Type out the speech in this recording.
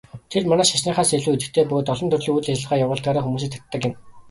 Тэд манай шашныхаас илүү идэвхтэй бөгөөд олон төрлийн үйл ажиллагаа явуулдгаараа хүмүүсийг татдаг юм.